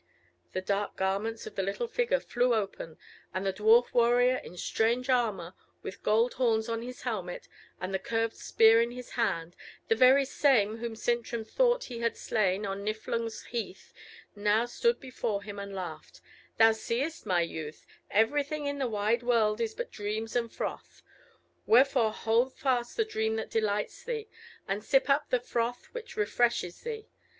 The dark garments of the little figure flew open, and the dwarf warrior in strange armour, the gold horns on his helmet, and the curved spear in his hand, the very same whom Sintram thought he had slain on Niflung's Heath, now stood before him and laughed: "Thou seest, my youth, everything in the wide world is but dreams and froth; wherefore hold fast the dream which delights thee, and sip up the froth which refreshes thee!